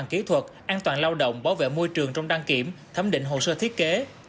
bằng kỹ thuật an toàn lao động bảo vệ môi trường trong đăng kiểm thẩm định hồ sơ thiết kế